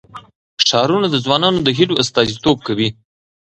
ښارونه د ځوانانو د هیلو استازیتوب کوي.